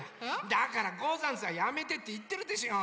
だから「ござんす」はやめてっていってるでしょう！